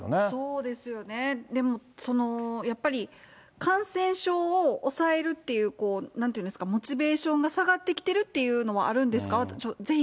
そうですよね、でもやっぱり、感染症を抑えるっていう、なんていうんですか、モチベーションが下がってきてるっていうのはあるんですか？